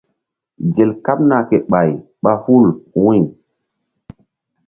Gel kaɓna ke ɓay ɓa hul wu̧y.